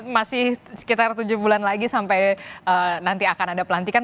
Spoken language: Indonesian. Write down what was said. masih sekitar tujuh bulan lagi sampai nanti akan ada pelantikan